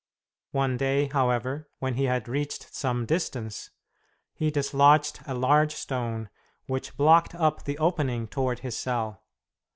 One day, however, when he had reached some distance, he dislodged a large stone which blocked up the opening toward his cell.